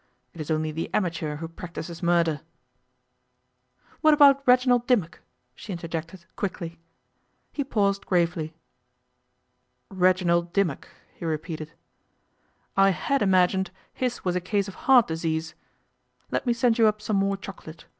It is only the amateur who practises murder ' 'What about Reginald Dimmock?' she interjected quickly. He paused gravely. 'Reginald Dimmock,' he repeated. 'I had imagined his was a case of heart disease. Let me send you up some more chocolate.